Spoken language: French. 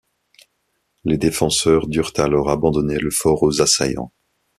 Les défenseurs durent alors abandonner le fort aux assaillants.